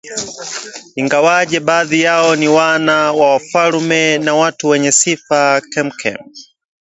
Ingawaje baadhi yao ni wana wa wafalme na watu wenye sifa kemkem